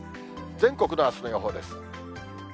全国のあすの予報です。